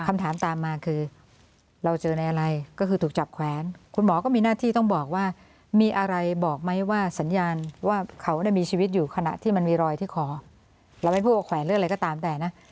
ไม่ต้องบอกว่ามีอะไรบอกไหมว่าสัญญาณว่าเขาน่ะมีชีวิตอยู่ขณะที่มันมีรอยที่คอเราไม่พูดว่าแขวนเลือดอะไรก็ตามแต่นะ